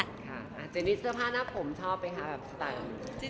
เจนี่เสื้อผ้าหน้าผมชอบไหมคะแบบสไตล์